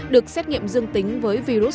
được xét nghiệm dương tính với virus